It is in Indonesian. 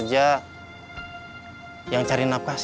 saya tuh pengen larang anah balik lagi keluar